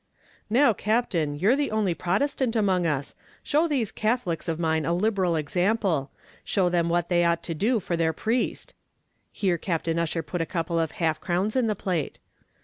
"Now, Captain, you're the only Protestant among us; show these Catholics of mine a liberal example show them what they ought to do for their priest," here Captain Ussher put a couple of half crowns in the plate.